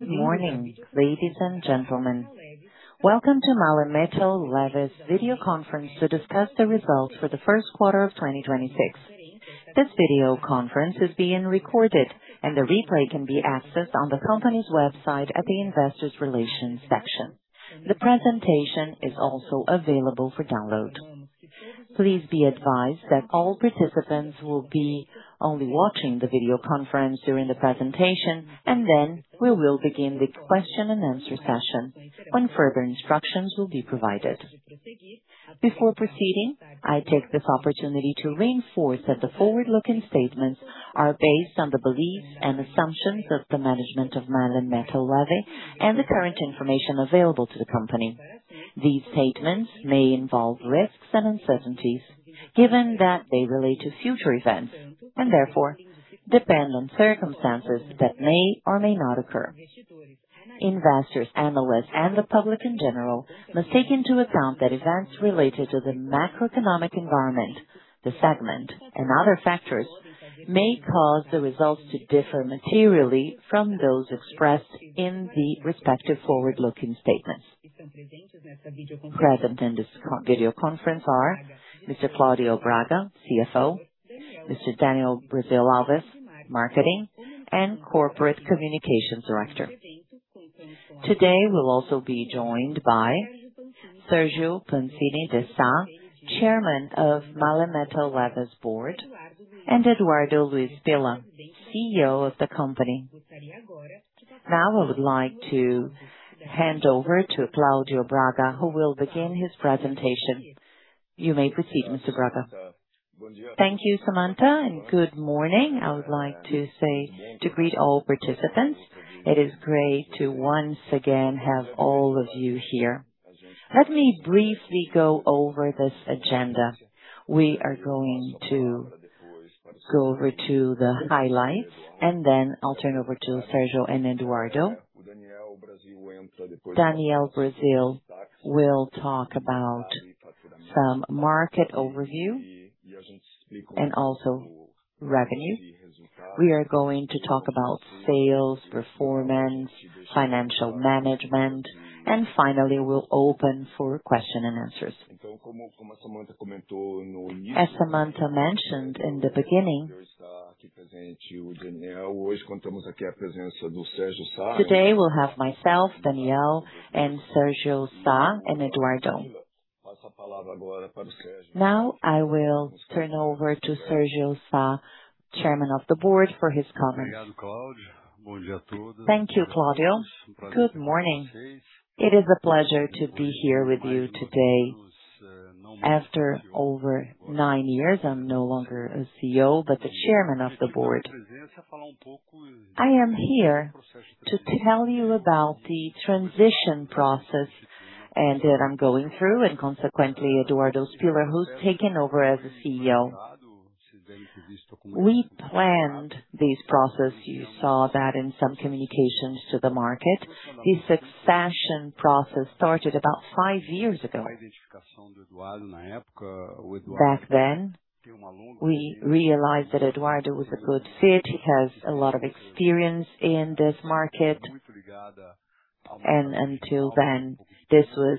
Morning, ladies and gentlemen. Welcome to MAHLE Metal Leve's video conference to discuss the results for the first quarter of 2026. This video conference is being recorded and the replay can be accessed on the company's website at the Investors Relations section. The presentation is also available for download. Please be advised that all participants will be only watching the video conference during the presentation, and then we will begin the question-and-answer session when further instructions will be provided. Before proceeding, I take this opportunity to reinforce that the forward-looking statements are based on the beliefs and assumptions of the management of MAHLE Metal Leve and the current information available to the company. These statements may involve risks and uncertainties given that they relate to future events and therefore depend on circumstances that may or may not occur. Investors, analysts and the public in general must take into account that events related to the macroeconomic environment, the segment and other factors may cause the results to differ materially from those expressed in the respective forward-looking statements. Present in this video conference are Mr. Claudio Braga, CFO, Mr. Daniel Brasil Alves, Marketing and Corporate Communications Director. Today, we'll also be joined by Sergio Pancini de Sá, Chairman of MAHLE Metal Leve's board, and Eduardo Luiz Spilla, CEO of the company. I would like to hand over to Claudio Braga, who will begin his presentation. You may proceed, Mr. Braga. Thank you, Samantha, and good morning. I would like to greet all participants. It is great to once again have all of you here. Let me briefly go over this agenda. We are going to go over to the highlights and then I'll turn over to Sergio Sá and Eduardo Spilla. Daniel Brasil will talk about some market overview and also revenue. We are going to talk about sales performance, financial management, and finally, we'll open for question and answers. As Samantha mentioned in the beginning, today we'll have myself, Daniel, Sergio Sá, and Eduardo Spilla. I will turn over to Sergio Sá, Chairman of the Board, for his comments. Thank you, Claudio. Good morning. It is a pleasure to be here with you today. After over nine years, I'm no longer a CEO, but the Chairman of the Board. I am here to tell you about the transition process and that I'm going through and consequently Eduardo Spilla who's taken over as a CEO. We planned this process. You saw that in some communications to the market. The succession process started about five years ago. Back then we realized that Eduardo was a good fit. He has a lot of experience in this market. Until then, this was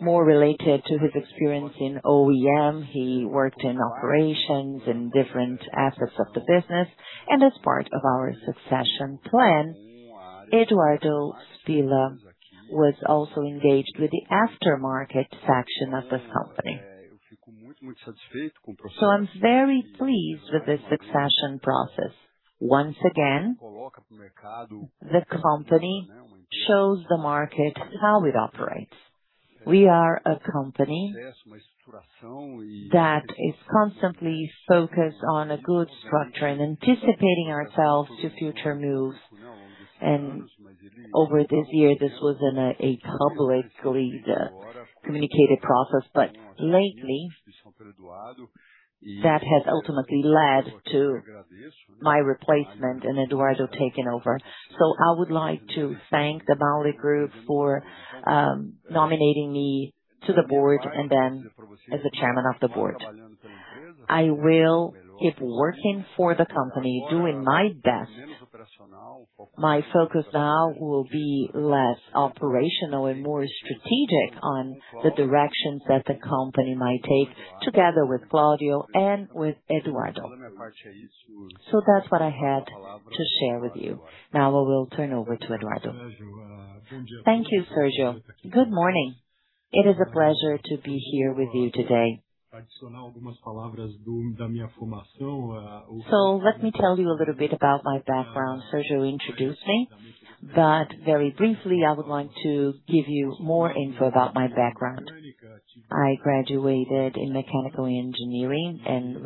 more related to his experience in OEM. He worked in operations and different aspects of the business. As part of our succession plan, Eduardo Luiz Spilla was also engaged with the aftermarket section of this company. I'm very pleased with the succession process. Once again, the company shows the market how it operates. We are a company that is constantly focused on a good structure and anticipating ourselves to future moves. Over this year, this was in a publicly communicated process, but lately that has ultimately led to my replacement and Eduardo taking over. I would like to thank the MAHLE Group for nominating me to the Board and then as the Chairman of the Board. I will keep working for the company doing my best. My focus now will be less operational and more strategic on the directions that the company might take together with Claudio and with Eduardo. That's what I had to share with you. I will turn over to Eduardo. Thank you, Sergio. Good morning. It is a pleasure to be here with you today. Let me tell you a little bit about my background. Sergio introduced me, but very briefly, I would like to give you more info about my background. I graduated in mechanical engineering and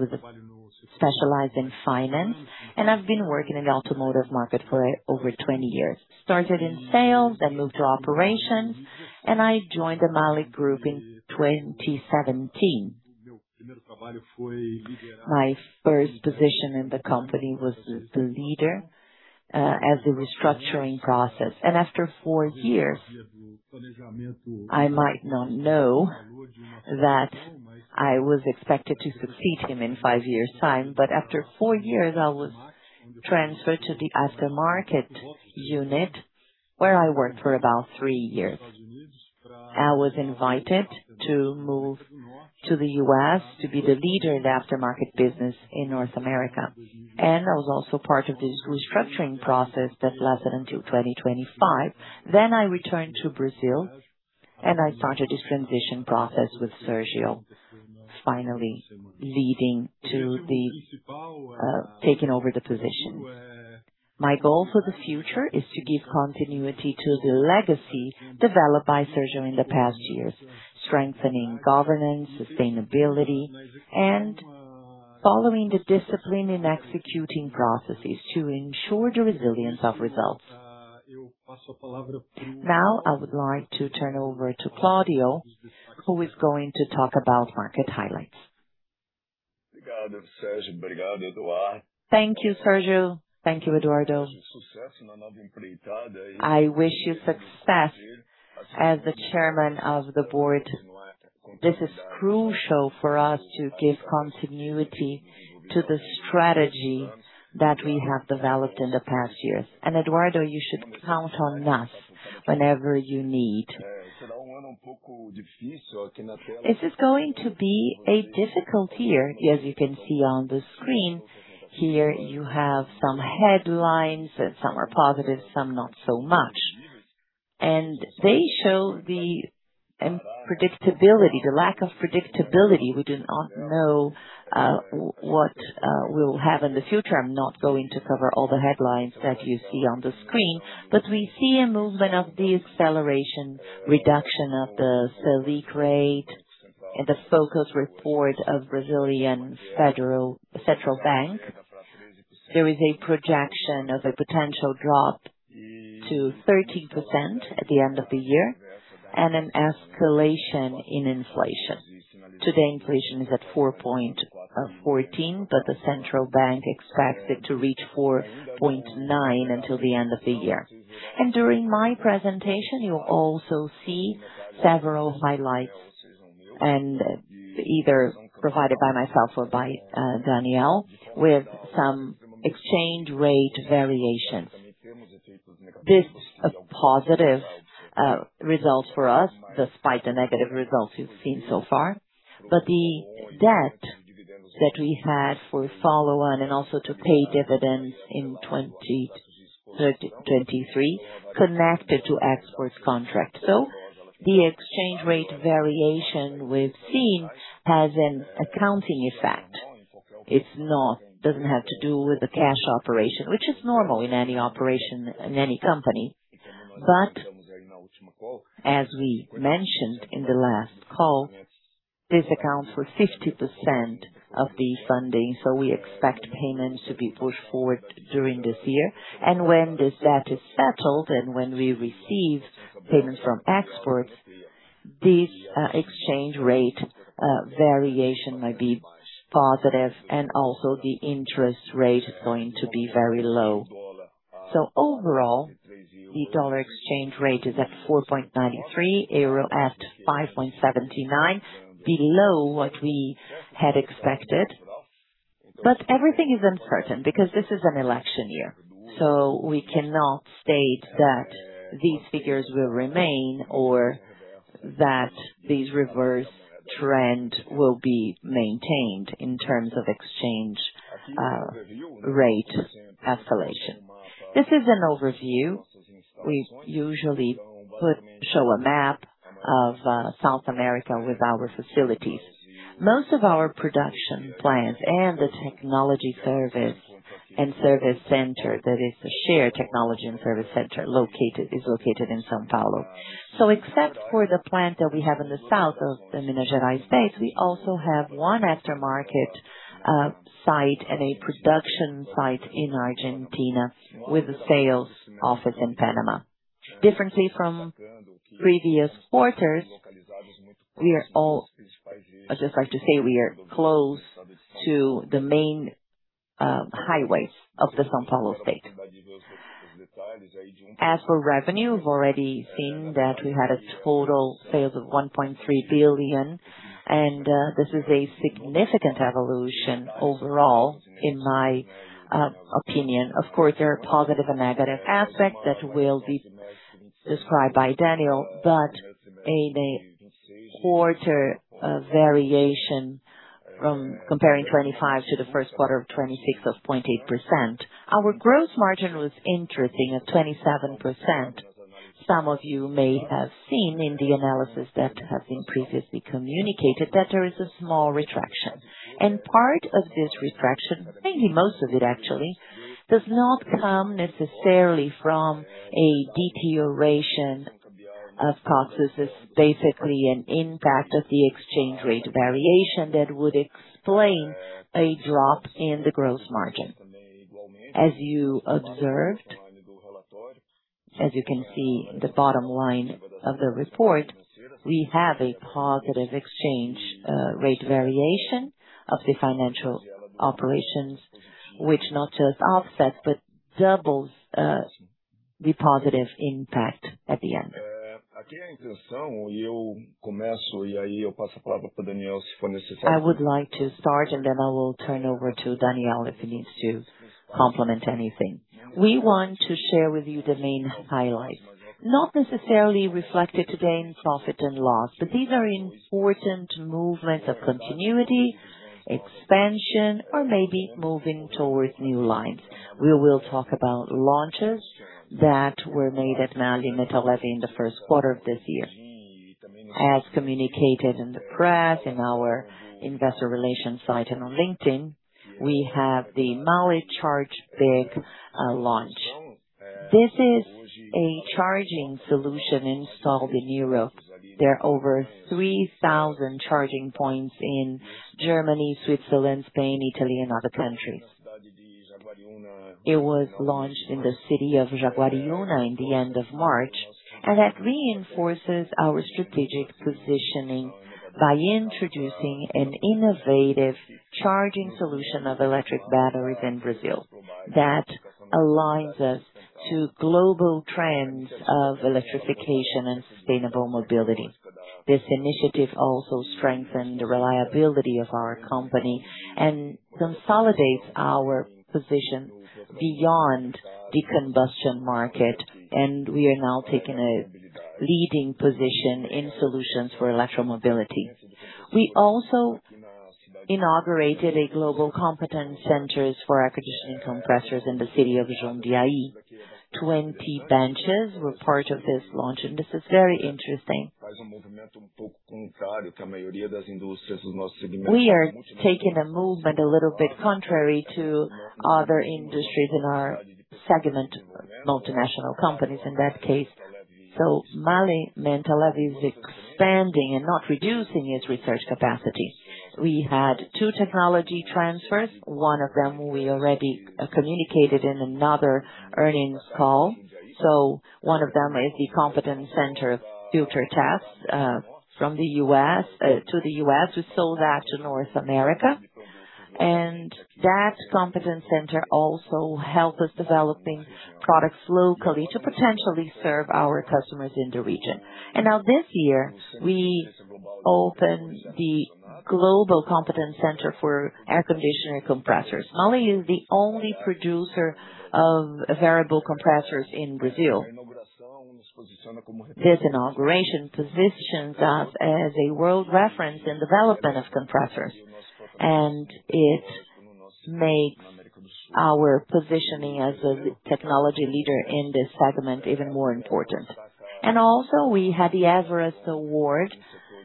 specialized in finance, and I've been working in the automotive market for over 20 years. Started in sales, then moved to operations. I joined the MAHLE Group in 2017. My first position in the company was the leader as a restructuring process. After four years, I might not know that I was expected to succeed him in five years time. After four years, I was transferred to the aftermarket unit where I worked for about three years. I was invited to move to the U.S. to be the leader in the aftermarket business in North America. I was also part of this restructuring process that lasted until 2025. I returned to Brazil. I started this transition process with Sergio, finally leading to the taking over the position. My goal for the future is to give continuity to the legacy developed by Sergio in the past years. Strengthening governance, sustainability and following the discipline in executing processes to ensure the resilience of results. I would like to turn over to Claudio, who is going to talk about market highlights. Thank you, Sergio. Thank you, Eduardo. I wish you success as the chairman of the board. This is crucial for us to give continuity to the strategy that we have developed in the past years. Eduardo, you should count on us whenever you need. This is going to be a difficult year. As you can see on the screen here, you have some headlines, some are positive, some not so much. They show the unpredictability, the lack of predictability. We do not know what we'll have in the future. I'm not going to cover all the headlines that you see on the screen, but we see a movement of the acceleration reduction of the Selic rate and the focus report of Brazilian Central Bank. There is a projection of a potential drop to 13% at the end of the year and an escalation in inflation. Today, inflation is at 4.14%, but the Central Bank expects it to reach 4.9% until the end of the year. During my presentation, you'll also see several highlights and either provided by myself or by Daniel, with some exchange rate variations. This a positive result for us despite the negative results we've seen so far. The debt that we had for follow-on and also to pay dividends in 2023 connected to exports contract. The exchange rate variation we've seen has an accounting effect. It doesn't have to do with the cash operation, which is normal in any operation in any company. As we mentioned in the last call, this accounts for 50% of the funding, so we expect payments to be pushed forward during this year. When this debt is settled and when we receive payments from exports, this exchange rate variation might be positive and also the interest rate is going to be very low. Overall, the dollar exchange rate is at 4.93, euro at 5.79, below what we had expected. Everything is uncertain because this is an election year, so we cannot state that these figures will remain or that this reverse trend will be maintained in terms of exchange rate escalation. This is an overview. We usually show a map of South America with our facilities. Most of our production plants and the technology service and service center, that is the shared technology and service center is located in São Paulo. Except for the plant that we have in the south of the Minas Gerais state, we also have one aftermarket site and a production site in Argentina with a sales office in Panama. Differently from previous quarters, I'd just like to say we are close to the main highways of the São Paulo state. As for revenue, we've already seen that we had a total sales of 1.3 billion, this is a significant evolution overall in my opinion. Of course, there are positive and negative aspects that will be described by Daniel, but in a quarter of variation from comparing 25 to the first quarter of 26 of 0.8%. Our gross margin was interesting at 27%. Some of you may have seen in the analysis that has been previously communicated that there is a small retraction. Part of this retraction, maybe most of it actually, does not come necessarily from a deterioration of costs. This is basically an impact of the exchange rate variation that would explain a drop in the gross margin. As you observed, as you can see in the bottom line of the report, we have a positive exchange rate variation of the financial operations, which not just offsets but doubles positive impact at the end. I would like to start, then I will turn over to Daniel if he needs to complement anything. We want to share with you the main highlights. Not necessarily reflected today in profit and loss, these are important movements of continuity, expansion, or maybe moving towards new lines. We will talk about launches that were made at MAHLE Metal Leve in the first quarter of this year. As communicated in the press, in our investor relations site and on LinkedIn, we have the MAHLE chargeBIG launch. This is a charging solution installed in Europe. There are over 3,000 charging points in Germany, Switzerland, Spain, Italy and other countries. It was launched in the city of Jaguariúna in the end of March, and that reinforces our strategic positioning by introducing an innovative charging solution of electric batteries in Brazil that aligns us to global trends of electrification and sustainable mobility. This initiative also strengthened the reliability of our company and consolidates our position beyond the combustion market, and we are now taking a leading position in solutions for electro-mobility. We also inaugurated a global competence centers for air conditioning compressors in the city of Jundiaí. 20 benches were part of this launch, and this is very interesting. We are taking a movement a little bit contrary to other industries in our segment, multinational companies in that case. MAHLE Metal Leve is expanding and not reducing its research capacity. We had two technology transfers. One of them we already communicated in another earnings call. One of them is the competence center filter tests from the U.S. to the U.S. We sold that to North America. That competence center also help us developing products locally to potentially serve our customers in the region. Now this year, we opened the global competence center for air conditioner compressors. MAHLE is the only producer of variable compressors in Brazil. This inauguration positions us as a world reference in development of compressors, and it makes our positioning as a technology leader in this segment even more important. Also, we had the Prêmio Everest,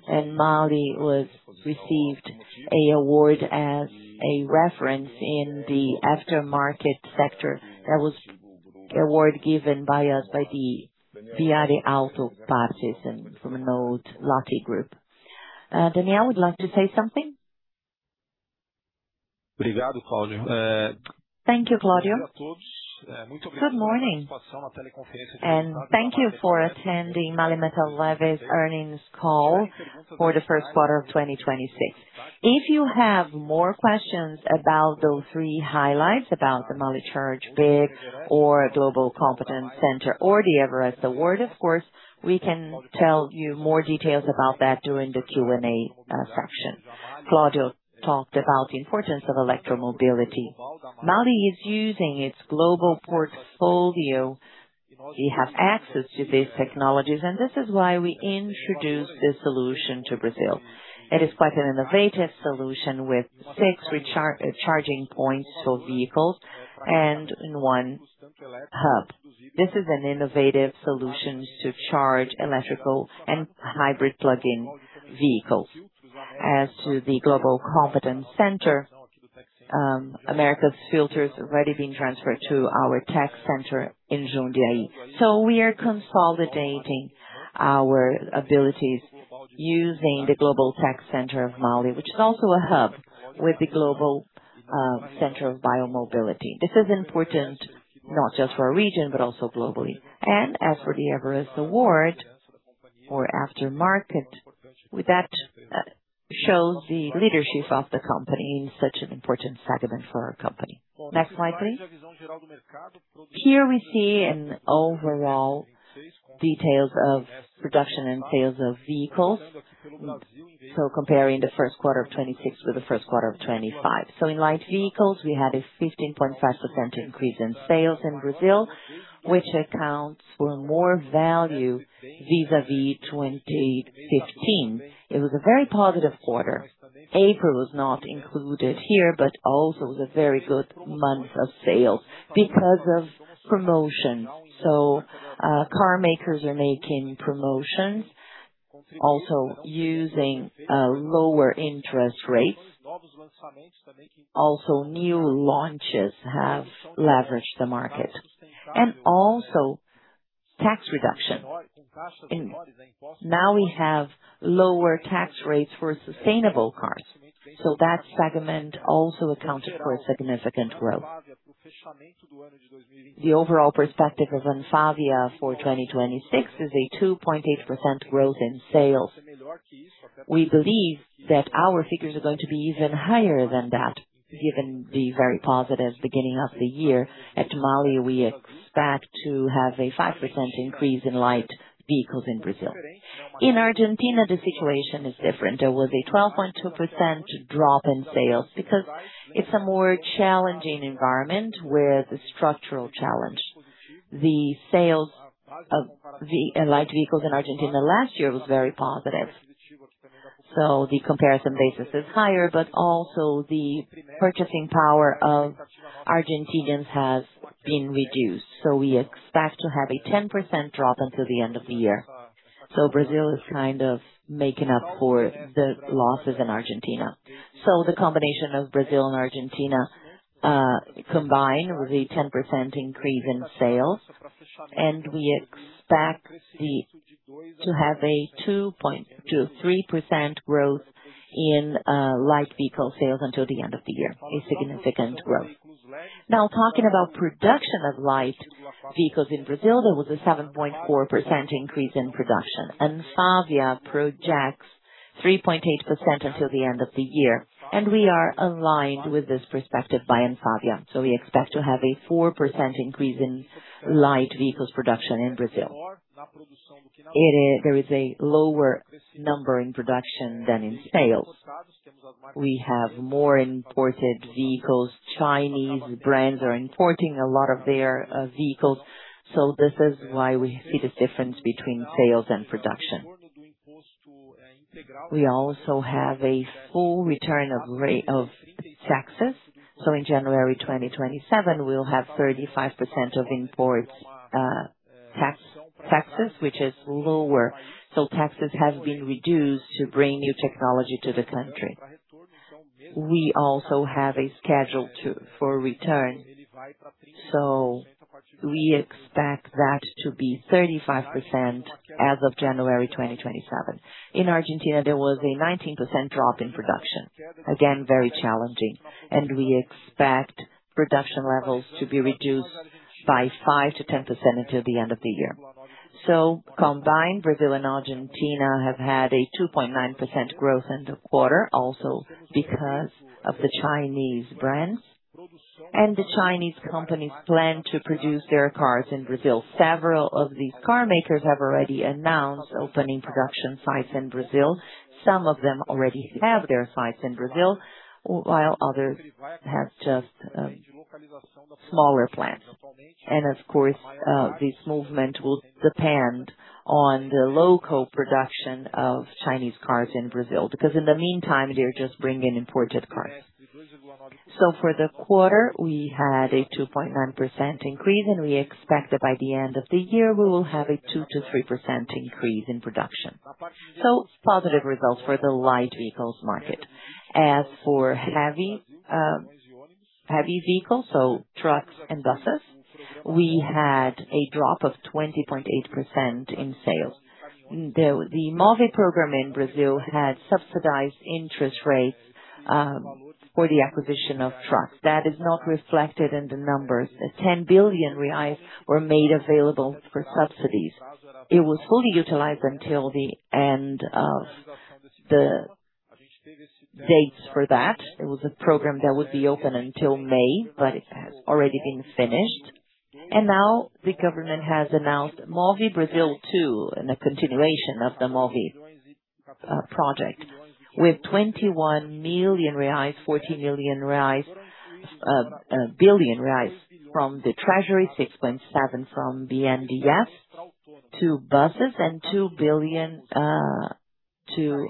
and MAHLE received a award as a reference in the aftermarket sector. That was award given by us by the Via de Auto Partes and from an old lucky group. Daniel Brasil Alves, would you like to say something? Thank you, Claudio. Good morning, thank you for attending MAHLE Metal Leve's earnings call for the first quarter of 2026. If you have more questions about those three highlights, about the MAHLE chargeBIG or Global Competence Center or the Everest Award, of course, we can tell you more details about that during the Q&A section. Claudio talked about the importance of electro-mobility. MAHLE is using its global portfolio. We have access to these technologies, and this is why we introduced this solution to Brazil. It is quite an innovative solution with 6 charging points for vehicles and 1 hub. This is an innovative solution to charge electrical and hybrid plug-in vehicles. As to the Global Competence Center, America's filters have already been transferred to our tech center in Jundiaí. We are consolidating our abilities using the global tech center of MAHLE, which is also a hub with the global center of e-mobility. This is important not just for our region, but also globally. As for the Prêmio Everest for aftermarket, with that, shows the leadership of the company in such an important segment for our company. Next slide, please. Here we see an overall details of production and sales of vehicles. Comparing the first quarter of 2026 with the first quarter of 2025. In light vehicles, we had a 15.5% increase in sales in Brazil, which accounts for more value vis-à-vis 2015. It was a very positive quarter. April was not included here, but also was a very good month of sales because of promotion. Car makers are making promotions, also using lower interest rates. Also, new launches have leveraged the market. Tax reduction. Now we have lower tax rates for sustainable cars, so that segment also accounted for a significant growth. The overall perspective of Anfavea for 2026 is a 2.8% growth in sales. We believe that our figures are going to be even higher than that, given the very positive beginning of the year. At MAHLE, we expect to have a 5% increase in light vehicles in Brazil. In Argentina, the situation is different. There was a 12.2% drop in sales because it's a more challenging environment with a structural challenge. The sales of light vehicles in Argentina last year was very positive. The comparison basis is higher, but also the purchasing power of Argentinians has been reduced. We expect to have a 10% drop until the end of the year. Brazil is kind of making up for the losses in Argentina. The combination of Brazil and Argentina, combine with a 10% increase in sales, and we expect to have a 2.23% growth in light vehicle sales until the end of the year. A significant growth. Talking about production of light vehicles in Brazil, there was a 7.4% increase in production. Anfavea projects 3.8% until the end of the year, and we are aligned with this perspective by Anfavea. We expect to have a 4% increase in light vehicles production in Brazil. There is a lower number in production than in sales. We have more imported vehicles. Chinese brands are importing a lot of their vehicles, so this is why we see this difference between sales and production. We also have a full return of taxes. In January 2027, we'll have 35% of import taxes, which is lower. Taxes have been reduced to bring new technology to the country. We also have a schedule for return. We expect that to be 35% as of January 2027. In Argentina, there was a 19% drop in production. Again, very challenging, and we expect production levels to be reduced by 5%-10% until the end of the year. Combined, Brazil and Argentina have had a 2.9% growth in the quarter, also because of the Chinese brands. The Chinese companies plan to produce their cars in Brazil. Several of these car makers have already announced opening production sites in Brazil. Some of them already have their sites in Brazil, while others have just smaller plans. Of course, this movement will depend on the local production of Chinese cars in Brazil, because in the meantime, they're just bringing imported cars. For the quarter, we had a 2.9% increase, and we expect that by the end of the year, we will have a 2%-3% increase in production. Positive results for the light vehicles market. As for heavy vehicles, trucks and buses, we had a drop of 20.8% in sales. The MOVER program in Brazil had subsidized interest rates for the acquisition of trucks. That is not reflected in the numbers. 10 billion reais were made available for subsidies. It was fully utilized until the end of the dates for that. It was a program that would be open until May, but it has already been finished. Now the government has announced MOVER Brazil 2, a continuation of the MOVER project. With 21 million reais, 14 billion reais from the treasury, 6.7 billion from BNDES to buses and 2 million to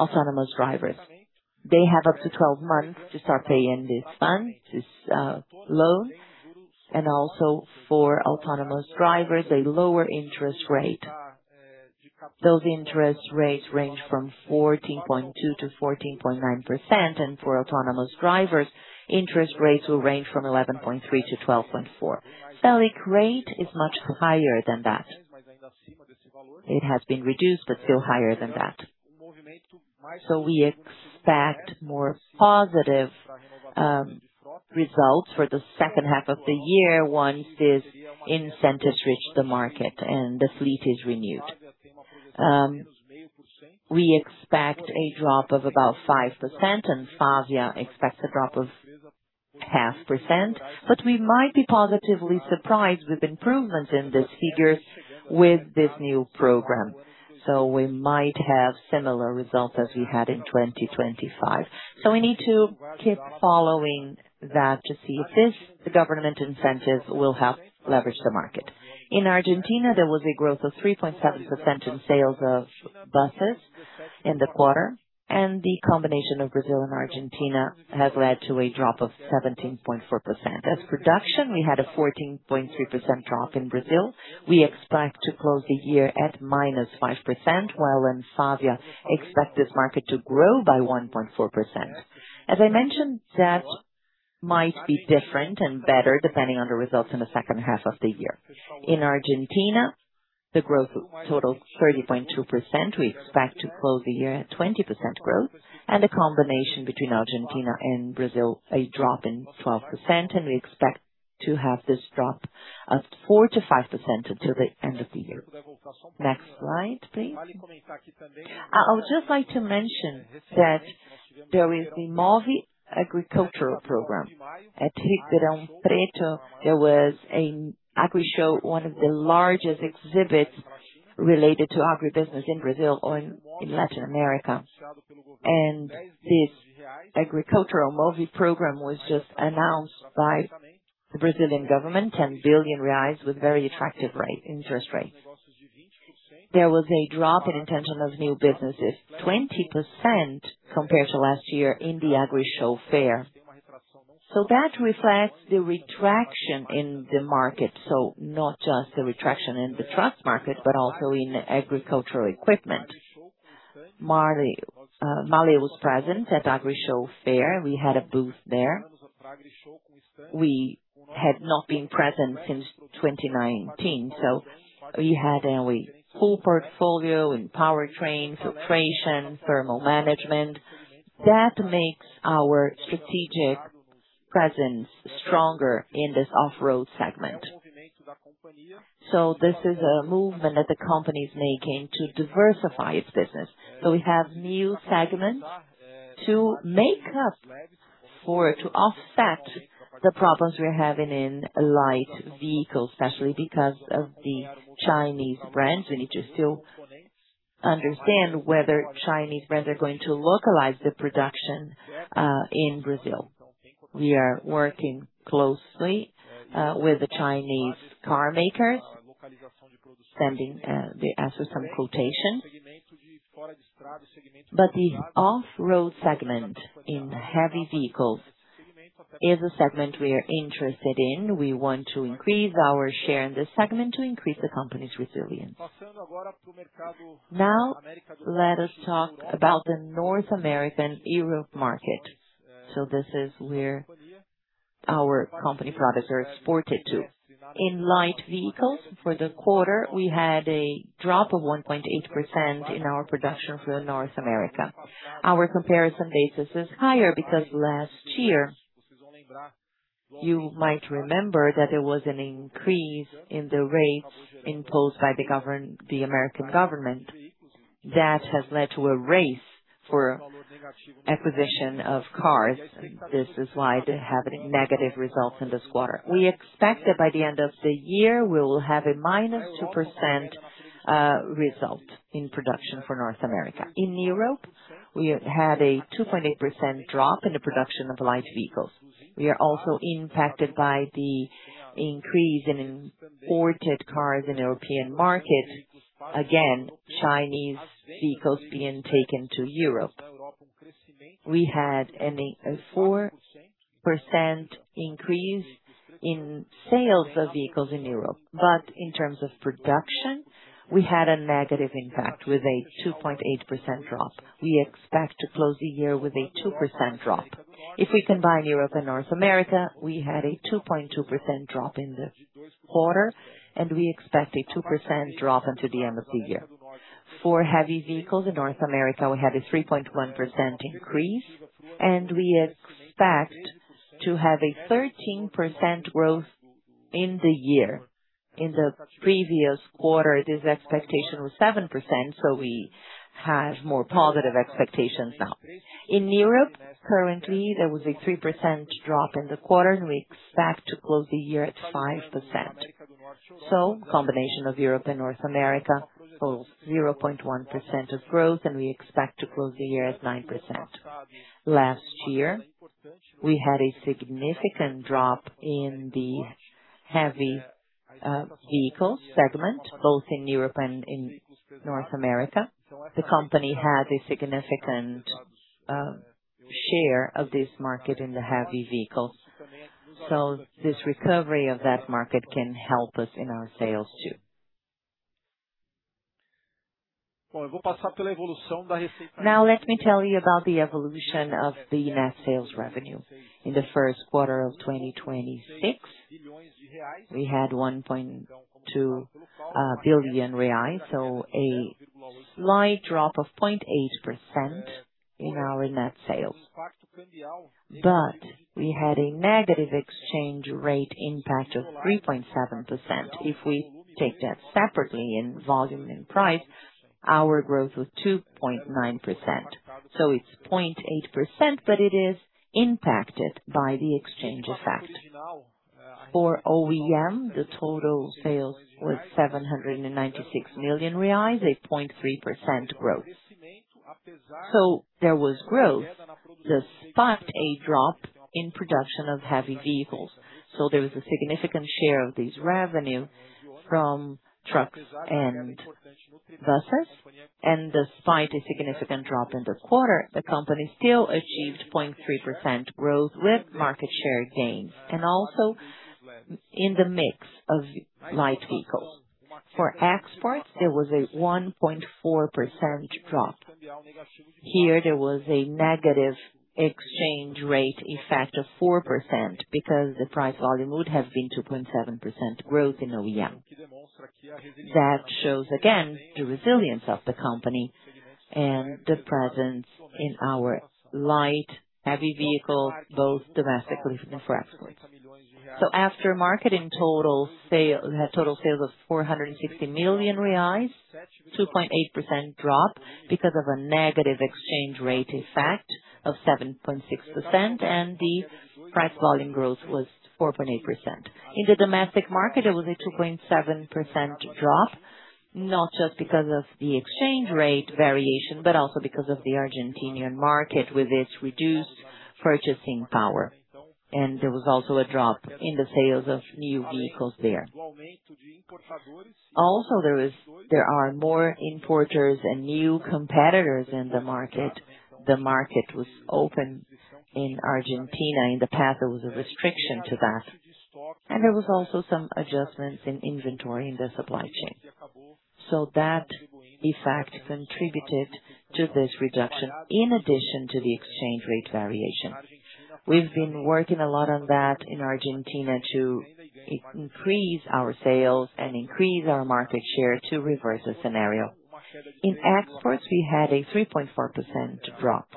autonomous drivers. They have up to 12 months to start paying this fund, this loan, and also for autonomous drivers, a lower interest rate. Those interest rates range from 14.2%-14.9%. For autonomous drivers, interest rates will range from 11.3%-12.4%. Selic rate is much higher than that. It has been reduced, but still higher than that. We expect more positive results for the second half of the year once these incentives reach the market and the fleet is renewed. We expect a drop of about 5%, and Anfavea expects a drop of 0.5%. We might be positively surprised with improvements in these figures with this new program. We might have similar results as we had in 2025. We need to keep following that to see if this, the government incentive, will help leverage the market. In Argentina, there was a growth of 3.7% in sales of buses in the quarter, and the combination of Brazil and Argentina has led to a drop of 17.4%. As production, we had a 14.3% drop in Brazil. We expect to close the year at -5%, while Anfavea expects this market to grow by 1.4%. As I mentioned, that might be different and better depending on the results in the second half of the year. In Argentina, the growth totals 30.2%. We expect to close the year at 20% growth, and a combination between Argentina and Brazil, a drop in 12%, and we expect to have this drop of 4%-5% until the end of the year. Next slide, please. I would just like to mention that there is the MOVI agricultural program. At Ribeirão Preto, there was a Agrishow, one of the largest exhibits related to agribusiness in Brazil or in Latin America. This agricultural MOVI program was just announced by the Brazilian government, 10 billion reais with very attractive rate, interest rates. There was a drop in intention of new businesses, 20% compared to last year in the Agrishow fair. That reflects the retraction in the market. Not just the retraction in the trust market, but also in agricultural equipment. MAHLE was present at Agrishow fair. We had a booth there. We had not been present since 2019, we had a full portfolio in powertrain, filtration, thermal management. That makes our strategic presence stronger in this off-road segment. This is a movement that the company is making to diversify its business. We have new segments to make up for, to offset the problems we're having in light vehicles, especially because of the Chinese brands. We need to still understand whether Chinese brands are going to localize their production in Brazil. We are working closely with the Chinese carmakers, sending, they ask for some quotation. The off-road segment in heavy vehicles is a segment we are interested in. We want to increase our share in this segment to increase the company's resilience. Let us talk about the North American Europe market. This is where our company products are exported to. In light vehicles for the quarter, we had a drop of 1.8% in our production for North America. Our comparison basis is higher because last year, you might remember that there was an increase in the rates imposed by the American government. That has led to a race for acquisition of cars. This is why they're having negative results in this quarter. We expect that by the end of the year, we will have a -2% result in production for North America. In Europe, we have had a 2.8% drop in the production of light vehicles. We are also impacted by the increase in imported cars in European market. Again, Chinese vehicles being taken to Europe. We had a 4% increase in sales of vehicles in Europe. In terms of production, we had a negative impact with a 2.8% drop. We expect to close the year with a 2% drop. If we combine Europe and North America, we had a 2.2% drop in the quarter, and we expect a 2% drop until the end of the year. For heavy vehicles in North America, we have a 3.1% increase, and we expect to have a 13% growth in the year. In the previous quarter, this expectation was 7%, so we have more positive expectations now. In Europe, currently, there was a 3% drop in the quarter, and we expect to close the year at 5%. Combination of Europe and North America, 0.1% of growth, and we expect to close the year at 9%. Last year, we had a significant drop in the heavy vehicle segment, both in Europe and in North America. The company had a significant share of this market in the heavy vehicles. This recovery of that market can help us in our sales too. Now let me tell you about the evolution of the net sales revenue. In the first quarter of 2026, we had 1.2 billion reais, a slight drop of 0.8% in our net sales. We had a negative exchange rate impact of 3.7%. If we take that separately in volume and price, our growth was 2.9%. It is 0.8%, but it is impacted by the exchange effect. For OEM, the total sales was 796 million reais, a 0.3% growth. There was growth despite a drop in production of heavy vehicles. There was a significant share of this revenue from trucks and buses. Despite a significant drop in the quarter, the company still achieved 0.3% growth with market share gains, and also in the mix of light vehicles. For exports, there was a 1.4% drop. Here, there was a negative exchange rate effect of 4% because the price volume would have been 2.7% growth in OEM. That shows again the resilience of the company and the presence in our light, heavy vehicle, both domestically and for export. Aftermarketing total sales of 460 million reais, 2.8% drop because of a negative exchange rate effect of 7.6%, and the price volume growth was 4.8%. In the domestic market, it was a 2.7% drop, not just because of the exchange rate variation, but also because of the Argentinian market with its reduced purchasing power. There was also a drop in the sales of new vehicles there. Also, there are more importers and new competitors in the market. The market was open in Argentina. In the past, there was a restriction to that, and there was also some adjustments in inventory in the supply chain. That effect contributed to this reduction in addition to the exchange rate variation. We've been working a lot on that in Argentina to increase our sales and increase our market share to reverse the scenario. In exports, we had a 3.4% drop,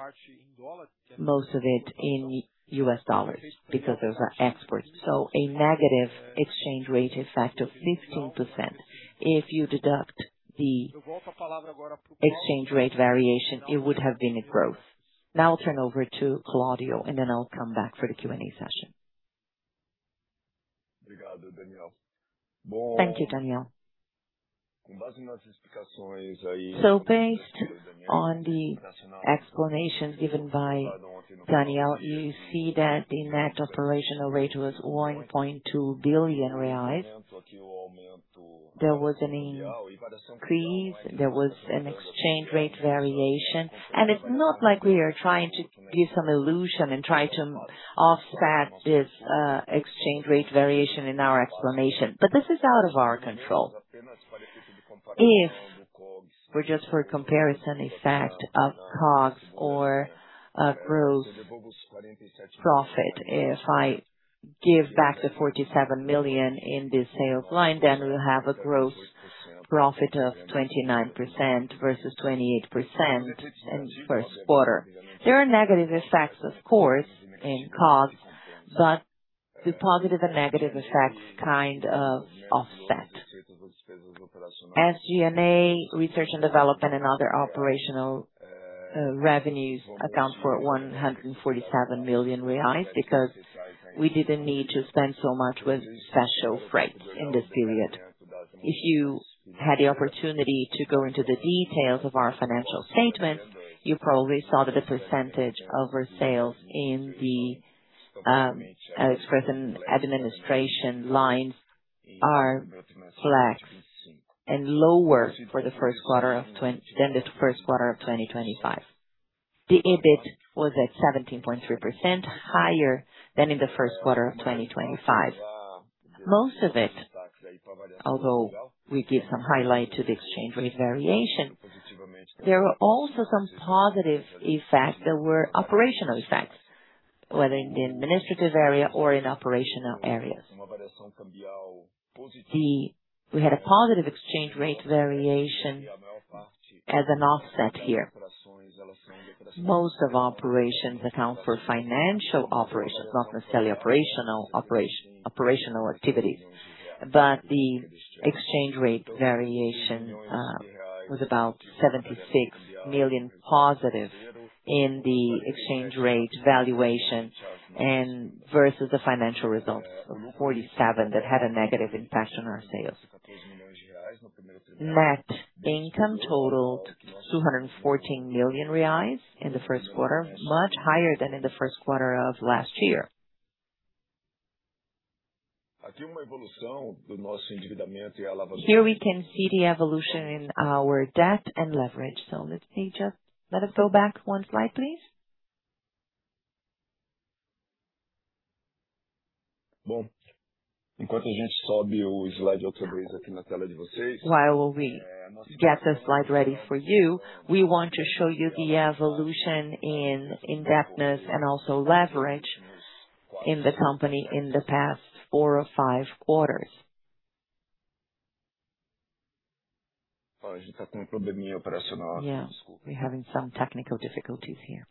most of it in U.S. dollars because those are exports. A negative exchange rate effect of 15%. If you deduct the exchange rate variation, it would have been a growth. I'll turn over to Claudio, and then I'll come back for the Q&A session. Thank you, Daniel. Based on the explanations given by Daniel, you see that the net operational rate was 1.2 billion reais. There was an increase, there was an exchange rate variation. It's not like we are trying to give some illusion and try to offset this exchange rate variation in our explanation, but this is out of our control. If for just for comparison effect of COGS or of gross profit, if I give back the 47 million in the sales line, then we'll have a gross profit of 29% versus 28% in first quarter. There are negative effects, of course, in COGS, but the positive and negative effects kind of offset. SG&A, research and development and other operational revenues account for 147 million reais because we didn't need to spend so much with special freight in this period. If you had the opportunity to go into the details of our financial statement, you probably saw that the percentage of our sales in the express and administration lines are flat and lower for the first quarter than the first quarter of 2025. The EBIT was at 17.3% higher than in the first quarter of 2025. Most of it, although we give some highlight to the exchange rate variation, there were also some positive effects that were operational effects, whether in the administrative area or in operational areas. We had a positive exchange rate variation as an offset here. Most of our operations account for financial operations, not necessarily operational activities. The exchange rate variation was about 76 million positive in the exchange rate valuation and versus the financial results of 47 that had a negative impact on our sales. Net income totaled 214 million reais in the first quarter, much higher than in the first quarter of last year. Here we can see the evolution in our debt and leverage. Let us go back one slide, please. While we get the slide ready for you, we want to show you the evolution in indebtedness and also leverage in the company in the past four or five quarters. We're having some technical difficulties here.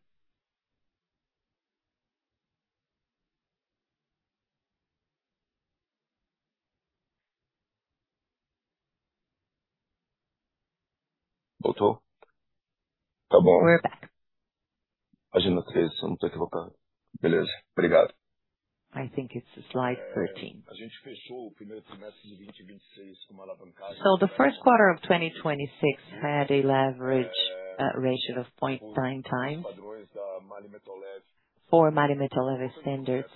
We're back. I think it's slide 13. The first quarter of 2026 had a leverage ratio of 0.9x for MAHLE Metal Leve standards.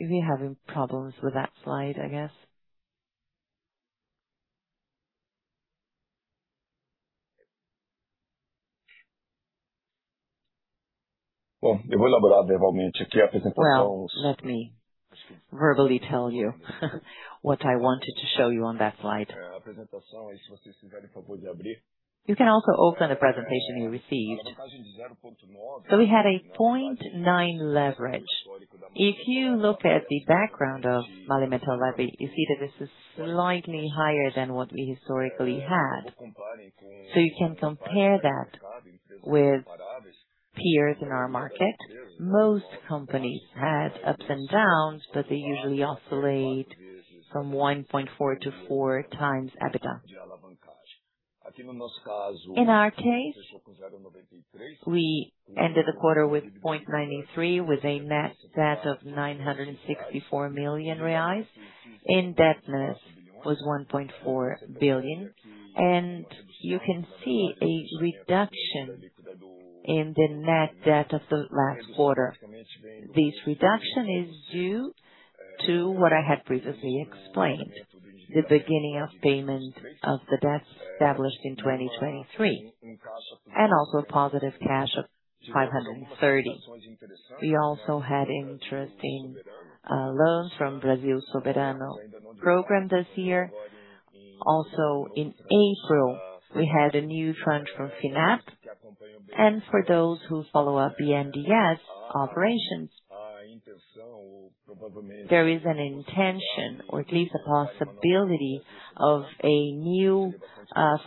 We're having problems with that slide, I guess. Well, let me verbally tell you what I wanted to show you on that slide. You can also open the presentation you received. We had a 0.9x leverage. If you look at the background of MAHLE Metal Leve, you see that this is slightly higher than what we historically had. You can compare that with peers in our market. Most companies have ups and downs, but they usually oscillate from 1.4-4x EBITDA. In our case, we ended the quarter with 0.93x, with a net debt of 964 million reais, and debt net was 1.4 billion. You can see a reduction in the net debt of the last quarter. This reduction is due to what I had previously explained, the beginning of payment of the debts established in 2023, and also positive cash of 530. We also had interesting loans from Brasil Soberano program this year. Also, in April, we had a new tranche from FINAME. For those who follow up BNDES operations, there is an intention or at least a possibility of a new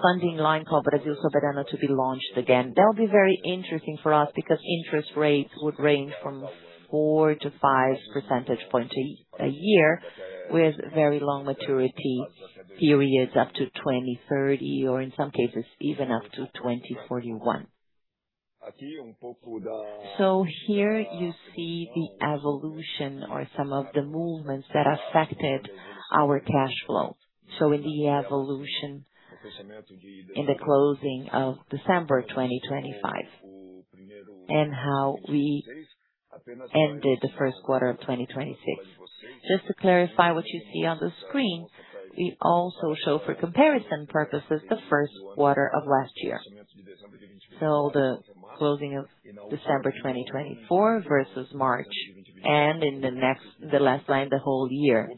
funding line called Brasil Soberano to be launched again. That'll be very interesting for us because interest rates would range from 4-5 percentage points a year, with very long maturity periods up to 2030 or in some cases, even up to 2041. Here you see the evolution or some of the movements that affected our cash flow. In the evolution in the closing of December 2025 and how we ended the first quarter of 2026. Just to clarify what you see on the screen, we also show, for comparison purposes, the first quarter of last year. The closing of December 2024 versus March, and in the last line, the whole year,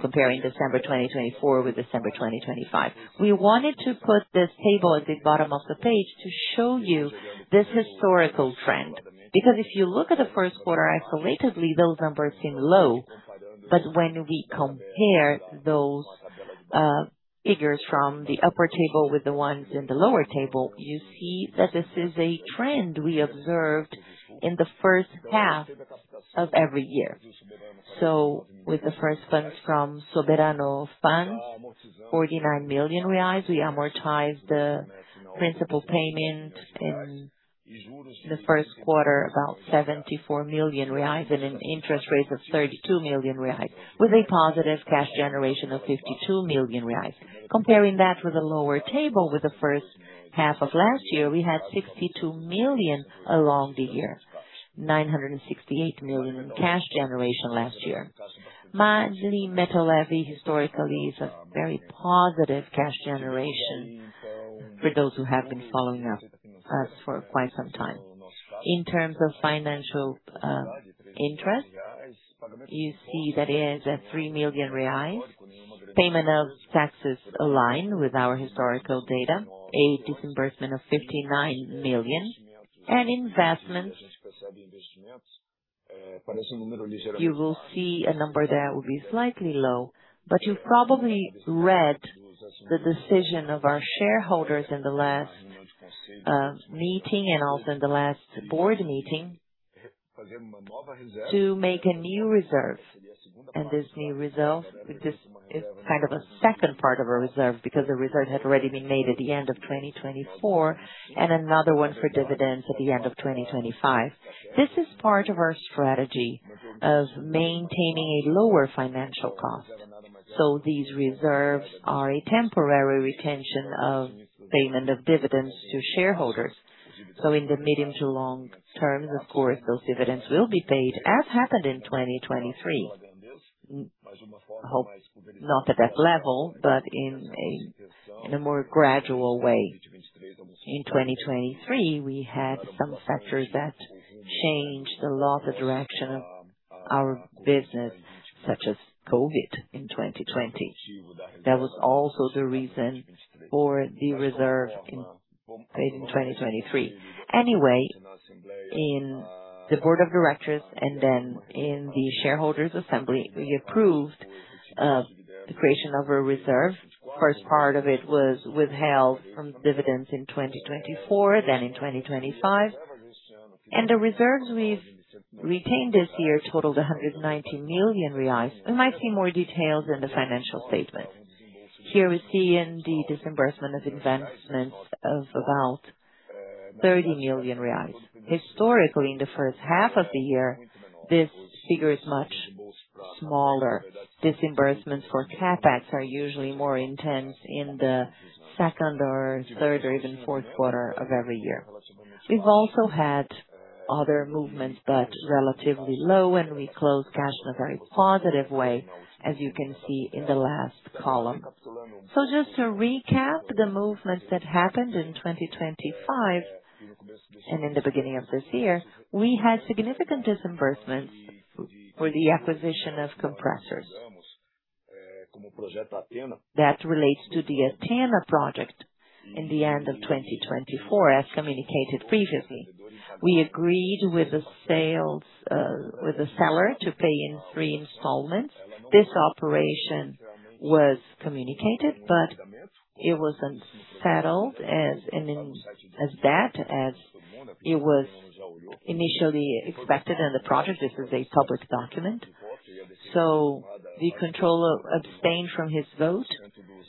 comparing December 2024 with December 2025. We wanted to put this table at the bottom of the page to show you this historical trend. Because if you look at the first quarter isolatedly, those numbers seem low. When we compare those figures from the upper table with the ones in the lower table, you see that this is a trend we observed in the first half of every year. With the first funds from Brasil Soberano, 49 million reais, we amortize the principal payment in the first quarter, about 74 million reais and an interest rate of 32 million reais, with a positive cash generation of 52 million reais. Comparing that with the lower table, with the first half of last year, we had 62 million along the year, 968 million in cash generation last year. MAHLE Metal Leve historically is a very positive cash generation for those who have been following us for quite some time. In terms of financial interest, you see that it is at 3 million reais. Payment of taxes align with our historical data, a disbursement of 59 million. Investment, you will see a number that will be slightly low. You've probably read the decision of our shareholders in the last meeting and also in the last board meeting to make a new reserve. This new reserve, this is kind of a second part of a reserve because the reserve had already been made at the end of 2024, and another one for dividends at the end of 2025. This is part of our strategy of maintaining a lower financial cost. These reserves are a temporary retention of payment of dividends to shareholders. In the medium to long terms, of course, those dividends will be paid, as happened in 2023. I hope not at that level, but in a more gradual way. In 2023, we had some factors that changed a lot the direction of our business, such as COVID in 2020. That was also the reason for the reserve in 2023. In the board of directors and then in the shareholders assembly, we approved the creation of a reserve. First part of it was withheld from dividends in 2024, then in 2025. The reserves we've retained this year totaled 190 million reais. You might see more details in the financial statement. Here we see in the disbursement of investments of about 30 million reais. Historically, in the first half of the year, this figure is much smaller. Disbursements for CapEx are usually more intense in the second or third or even fourth quarter of every year. We've also had other movements, but relatively low, and we closed cash in a very positive way, as you can see in the last column. Just to recap the movements that happened in 2025 and in the beginning of this year, we had significant disbursements for the acquisition of compressors. That relates to the Athena Project in the end of 2024. As communicated previously, we agreed with the sales, with the seller to pay in three installments. This operation was communicated, but it wasn't settled as it was initially expected in the project. This is a public document. The controller abstained from his vote,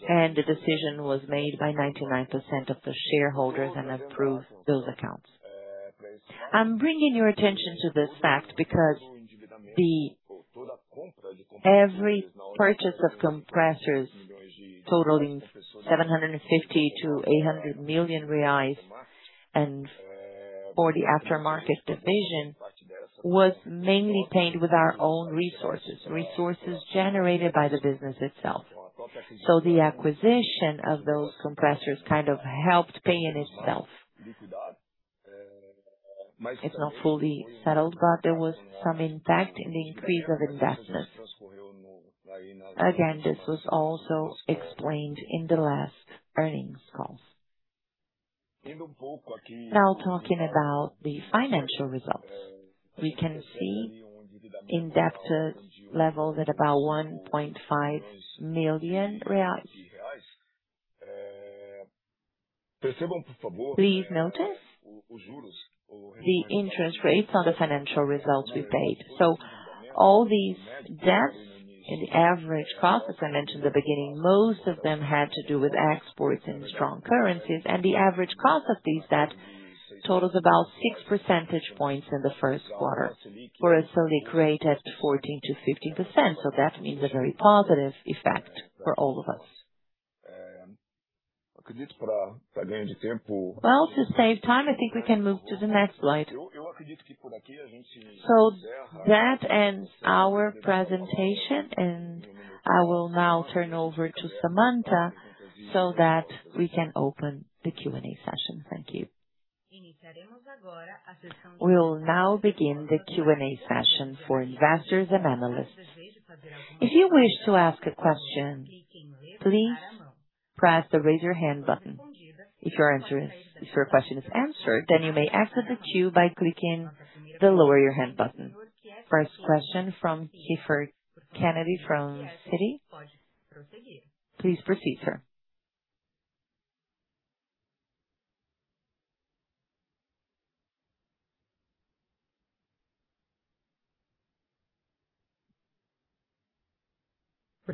and the decision was made by 99% of the shareholders and approved those accounts. I'm bringing your attention to this fact because every purchase of compressors totaling 750 million-800 million reais, and for the aftermarket division, was mainly paid with our own resources. Resources generated by the business itself. The acquisition of those compressors kind of helped pay in itself. It's not fully settled, but there was some impact in the increase of investments. Again, this was also explained in the last earnings calls. Talking about the financial results. We can see in-depth levels at about BRL 1.5 million. Please notice the interest rates on the financial results we paid. All these debts and average costs, as I mentioned at the beginning, most of them had to do with exports and strong currencies. The average cost of these debts totals about 6 percentage points in the first quarter, whereas Selic created 14%-15%. That means a very positive effect for all of us. To save time, I think we can move to the next slide. That ends our presentation, and I will now turn over to Samantha so that we can open the Q&A session. Thank you. We will now begin the Q&A session for investors and analysts. If you wish to ask a question, please press the Raise Your Hand button. If your question is answered, you may exit the queue by clicking the Lower Your Hand button. First question from Kiefer Kennedy from Citi. Please proceed, sir.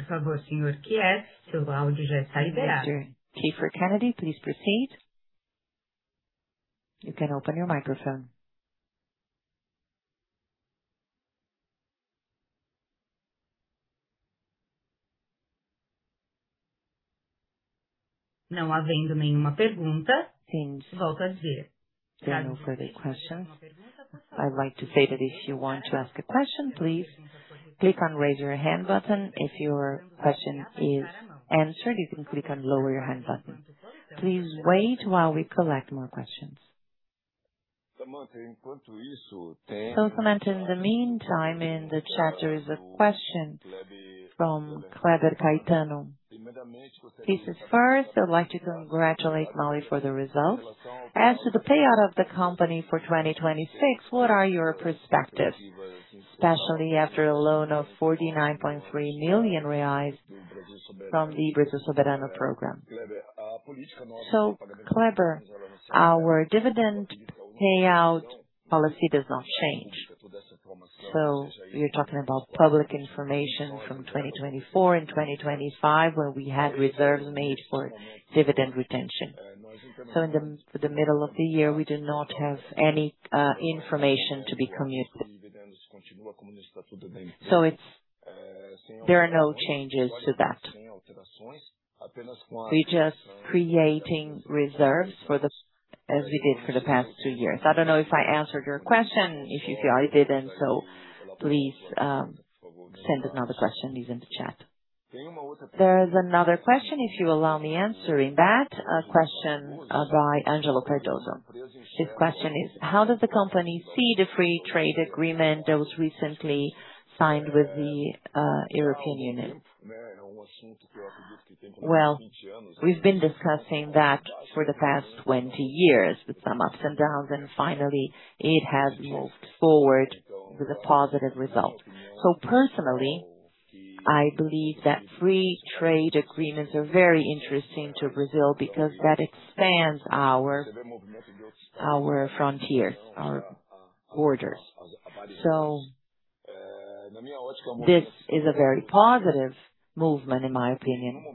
Kiefer Kennedy, please proceed. You can open your microphone. Since there are no further questions, I would like to say that if you want to ask a question, please click on Raise Your Hand button. If your question is answered, you can click on Lower Your Hand button. Please wait while we collect more questions. Samantha, in the meantime, in the chat, there is a question from Kleber Caetano. He says, "First, I'd like to congratulate MAHLE for the results. As to the payout of the company for 2026, what are your perspectives, especially after a loan of 49.3 million reais from the Brasil Soberano program?" Kleber, our dividend payout policy does not change. You're talking about public information from 2024 and 2025, where we had reserves made for dividend retention. In the middle of the year, we do not have any information to be communicated. There are no changes to that. We're just creating reserves as we did for the past two years. I don't know if I answered your question. If you feel I didn't, please send another question, leave it in the chat. There's another question, if you allow me answering that question by Angelo Cardoso. His question is: How does the company see the free trade agreement that was recently signed with the European Union? Well, we've been discussing that for the past 20 years, with some ups and downs. Finally, it has moved forward with a positive result. Personally, I believe that free trade agreements are very interesting to Brazil because that expands our frontiers, our borders. This is a very positive movement, in my opinion.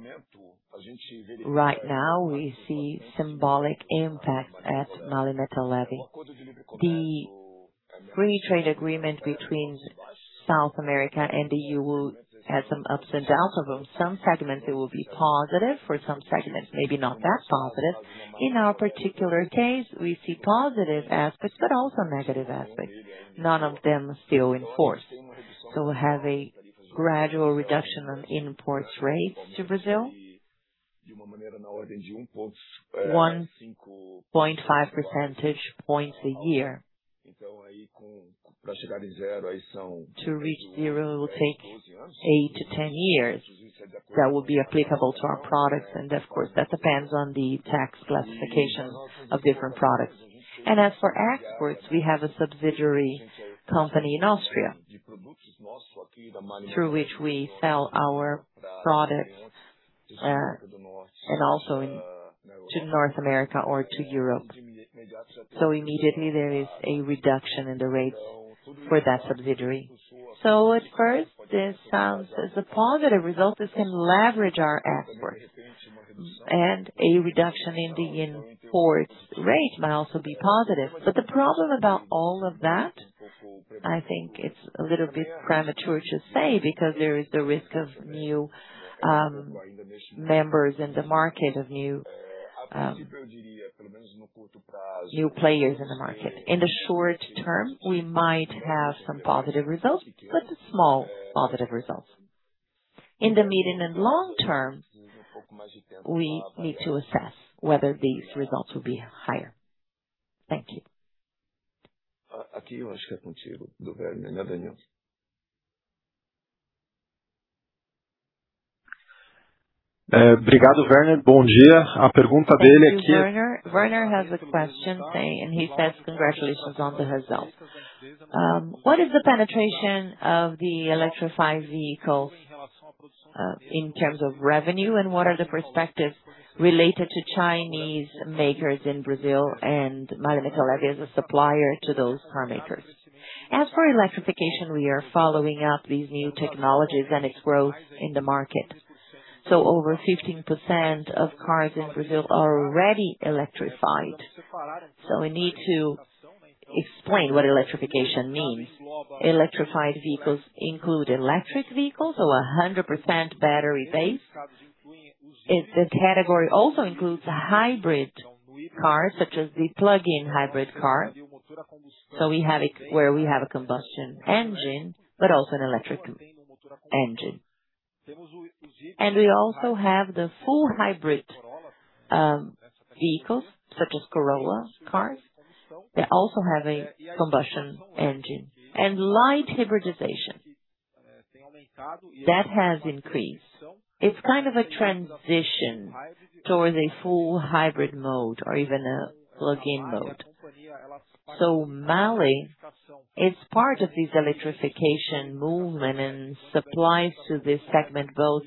Right now, we see symbolic impact at MAHLE Metal Leve. The free trade agreement between South America and the EU has some ups and downs of them. Some segments, it will be positive. For some segments, maybe not that positive. In our particular case, we see positive aspects, but also negative aspects. None of them still in force. We have a gradual reduction on imports rates to Brazil. 1.5 percentage points a year. To reach zero will take eight to 10 years. That will be applicable to our products and of course, that depends on the tax classification of different products. As for exports, we have a subsidiary company in Austria through which we sell our products, and also to North America or to Europe. Immediately there is a reduction in the rates for that subsidiary. At first, this sounds as a positive result. This can leverage our exports. A reduction in the imports rate might also be positive. The problem about all of that, I think it's a little bit premature to say because there is the risk of new members in the market, of new new players in the market. In the short term, we might have some positive results, but small positive results. In the medium and long term, we need to assess whether these results will be higher. Thank you. Thank you, Werner. Werner has a question, and he says congratulations on the results. What is the penetration of the electrified vehicles in terms of revenue and what are the perspectives related to Chinese makers in Brazil and MAHLE Metal Leve as a supplier to those car makers? As for electrification, we are following up these new technologies and its growth in the market. Over 15% of cars in Brazil are already electrified. We need to explain what electrification means. Electrified vehicles include electric vehicles, so 100% battery base. The category also includes hybrid cars, such as the plug-in hybrid car. We have it where we have a combustion engine, but also an electric engine. We also have the full hybrid vehicles such as Corolla cars. They also have a combustion engine. Light hybridization, that has increased. It's kind of a transition towards a full hybrid mode or even a plug-in mode. MAHLE is part of this electrification movement and supplies to this segment, both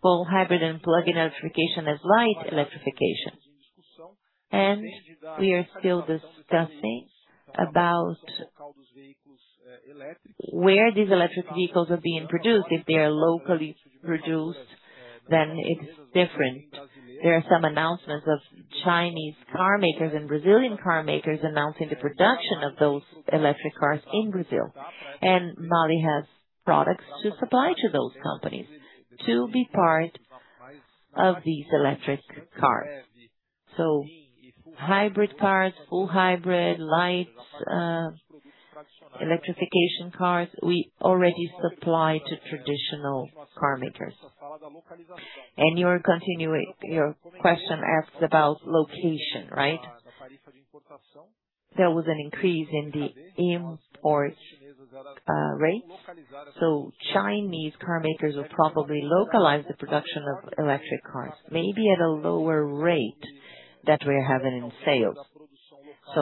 full hybrid and plug-in electrification as light electrification. We are still discussing about where these electric vehicles are being produced. If they are locally produced, then it's different. There are some announcements of Chinese car makers and Brazilian car makers announcing the production of those electric cars in Brazil. MAHLE has products to supply to those companies to be part of these electric cars. Hybrid cars, full hybrid, light electrification cars, we already supply to traditional car makers. Your question asks about location, right? There was an increase in the import rates. Chinese car makers will probably localize the production of electric cars, maybe at a lower rate that we're having in sales.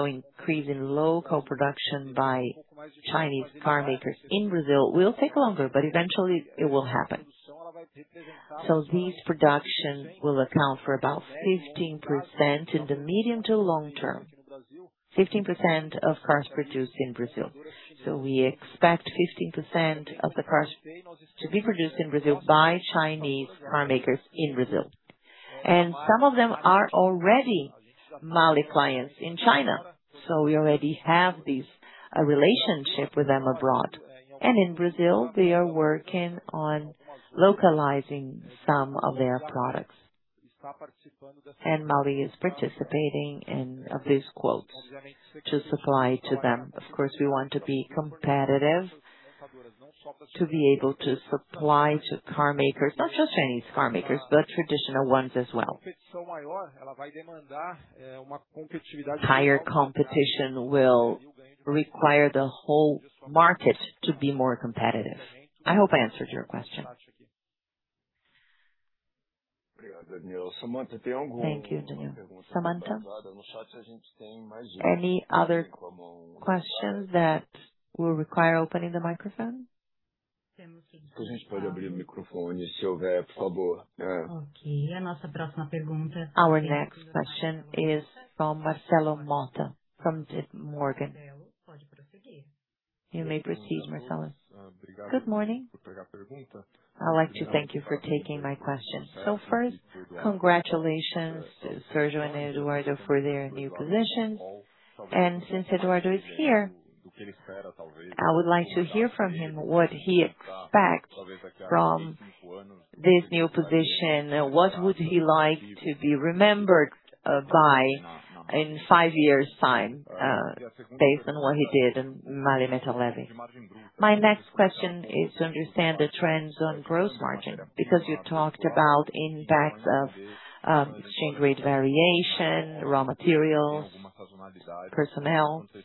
Increase in local production by Chinese car makers in Brazil will take longer, but eventually it will happen. These production will account for about 15% in the medium to long term. 15% of cars produced in Brazil. We expect 15% of the cars to be produced in Brazil by Chinese car makers in Brazil. Some of them are already MAHLE clients in China. We already have this relationship with them abroad. In Brazil, they are working on localizing some of their products. MAHLE is participating in these quotes to supply to them. Of course, we want to be competitive to be able to supply to car makers, not just Chinese car makers, but traditional ones as well. Higher competition will require the whole market to be more competitive. I hope I answered your question. Thank you, Daniel. Samantha, any other questions that will require opening the microphone? Our next question is from Marcelo Motta from JPMorgan. You may proceed, Marcelo. Good morning. I'd like to thank you for taking my question. First, congratulations to Sergio and Eduardo for their new positions. Since Eduardo is here, I would like to hear from him what he expects from this new position. What would he like to be remembered by in five years time, based on what he did in MAHLE Metal Leve. My next question is to understand the trends on gross margin, because you talked about impacts of exchange rate variation, raw materials, personnel. If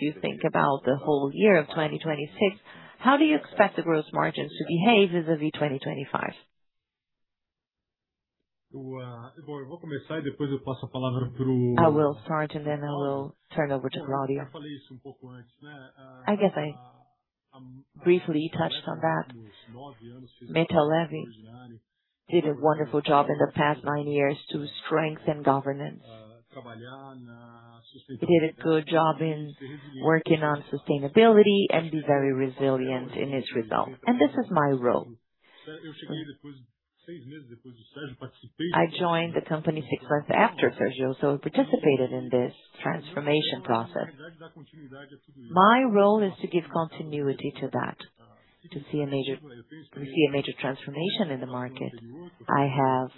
you think about the whole year of 2026, how do you expect the gross margins to behave vis-a-vis 2025? I will start and then I will turn over to Claudio. I guess I briefly touched on that. Metal Leve did a wonderful job in the past nine years to strengthen governance. Did a good job in working on sustainability and be very resilient in its results. This is my role. I joined the company six months after Sergio, so I participated in this transformation process. My role is to give continuity to that, to see a major transformation in the market. I have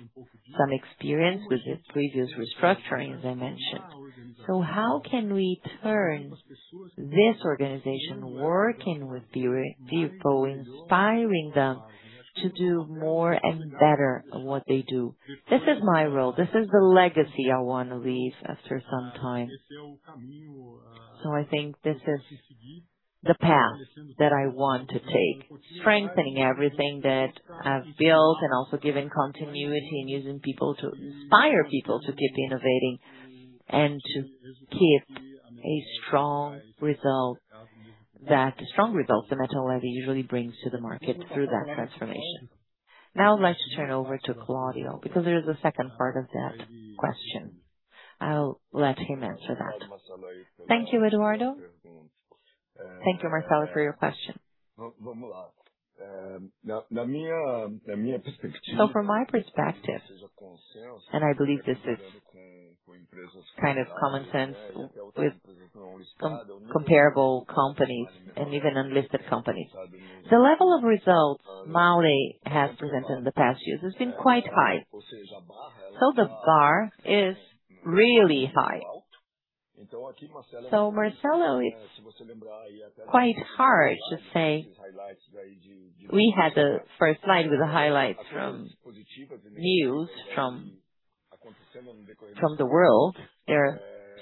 some experience with the previous restructuring, as I mentioned. How can we turn this organization working with people, inspiring them to do more and better at what they do? This is my role. This is the legacy I wanna leave after some time. I think this is the path that I want to take. Strengthening everything that I've built and also giving continuity and using people to inspire people to keep innovating and to keep strong results that Metal Leve usually brings to the market through that transformation. Now I'd like to turn over to Claudio, because there is a second part of that question. I'll let him answer that. Thank you, Eduardo. Thank you, Marcelo, for your question. From my perspective, and I believe this is kind of common sense with comparable companies and even unlisted companies. The level of results MAHLE has presented in the past years has been quite high. The bar is really high. Marcelo, it's quite hard to say. We had the first slide with the highlights from news from the world. There are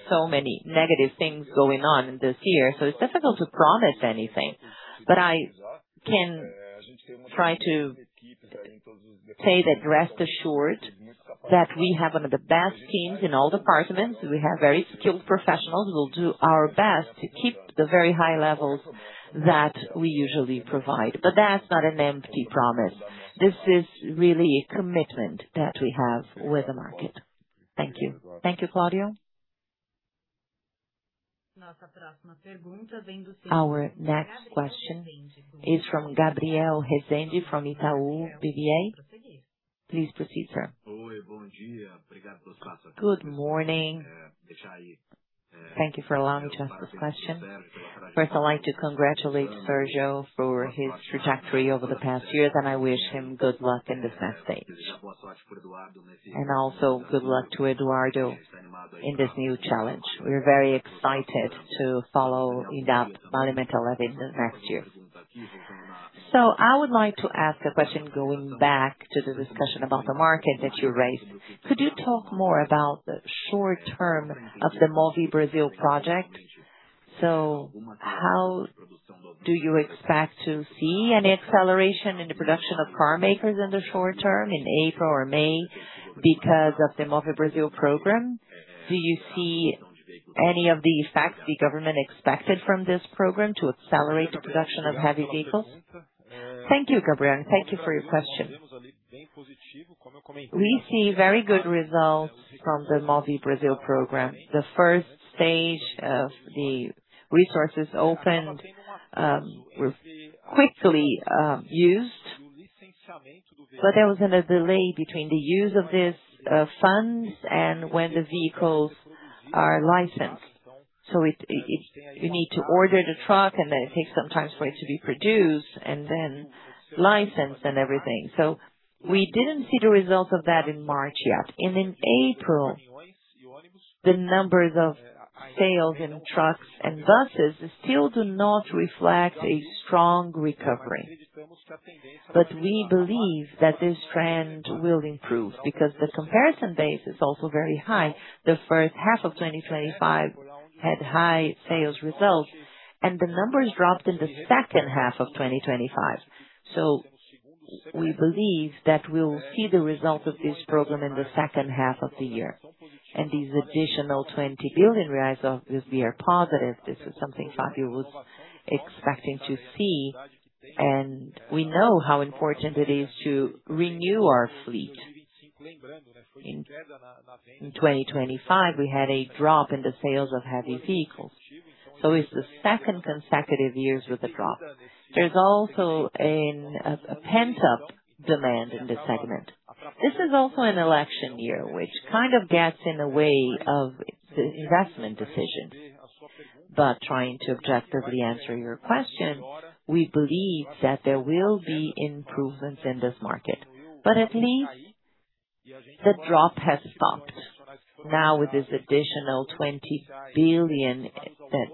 so many negative things going on in this year, so it's difficult to promise anything. I can try to say that rest assured that we have one of the best teams in all departments. We have very skilled professionals who will do our best to keep the very high levels that we usually provide. That's not an empty promise. This is really a commitment that we have with the market. Thank you. Thank you, Claudio. Our next question is from Gabriel Rezende, from Itaú BBA. Please proceed, sir. Good morning. Thank you for allowing me to ask this question. First, I'd like to congratulate Sergio for his trajectory over the past years, and I wish him good luck in this next stage. Also good luck to Eduardo in this new challenge. We're very excited to follow in-depth MAHLE Metal Leve in the next year. I would like to ask a question going back to the discussion about the market that you raised. Could you talk more about the short term of the MOVER project? How do you expect to see any acceleration in the production of car makers in the short term, in April or May, because of the MOVER program? Do you see any of the effects the government expected from this program to accelerate the production of heavy vehicles? Thank you, Gabriel. Thank you for your question. We see very good results from the MOVER program. The first stage of the resources opened, were quickly used. There was a delay between the use of these funds and when the vehicles are licensed. You need to order the truck, and then it takes some time for it to be produced and then licensed and everything. We didn't see the results of that in March yet. In April, the numbers of sales in trucks and buses still do not reflect a strong recovery. We believe that this trend will improve because the comparison base is also very high. The first half of 2025 had high sales results, and the numbers dropped in the second half of 2025. We believe that we'll see the results of this program in the second half of the year. These additional 20 billion reais obviously are positive. This is something Anfavea was expecting to see, and we know how important it is to renew our fleet. In 2025, we had a drop in the sales of heavy vehicles, so it is the second consecutive years with a drop. There's also a pent-up demand in this segment. This is also an election year, which kind of gets in the way of investment decisions. Trying to objectively answer your question, we believe that there will be improvements in this market. At least the drop has stopped now with this additional 20 billion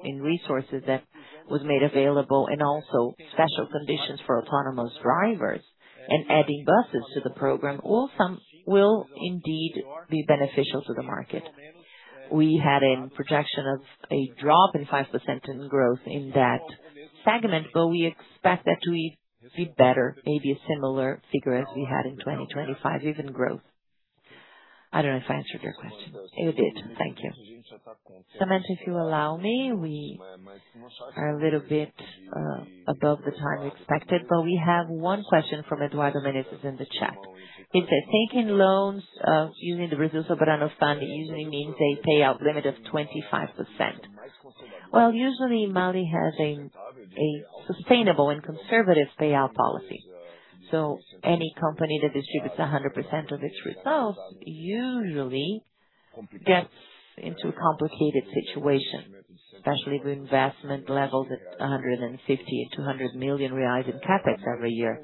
in resources that was made available and also special conditions for autonomous drivers and adding buses to the program also will indeed be beneficial to the market. We had a projection of a drop in 5% in growth in that segment, we expect that to be better, maybe a similar figure as we had in 2025, even growth. I don't know if I answered your question. You did. Thank you. Samantha, if you allow me, we are a little bit above the time expected, we have one question from Eduardo Menezes in the chat. If they're taking loans, using the results of BNDES funding usually means a payout limit of 25%. Usually MAHLE has a sustainable and conservative payout policy. Any company that distributes 100% of its results usually gets into a complicated situation, especially with investment levels at 150 million, 200 million reais in CapEx every year.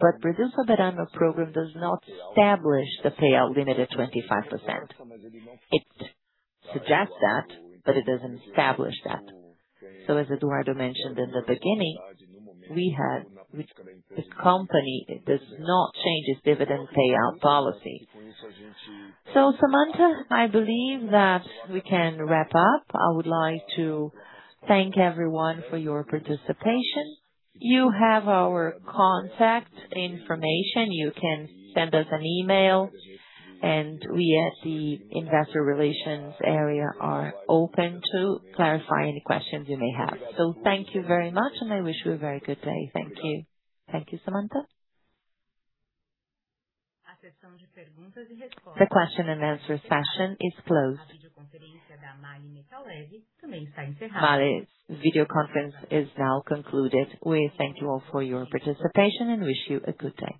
BNDES program does not establish the payout limit of 25%. It suggests that, but it doesn't establish that. As Eduardo mentioned in the beginning, the company does not change its dividend payout policy. Samantha, I believe that we can wrap up. I would like to thank everyone for your participation. You have our contact information. You can send us an email, we at the investor relations area are open to clarify any questions you may have. Thank you very much, I wish you a very good day. Thank you. Thank you, Samantha. The question and answer session is closed. MAHLE video conference is now concluded. We thank you all for your participation and wish you a good day.